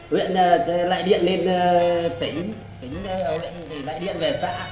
huyện lại điện lên tỉnh tỉnh lại điện về xã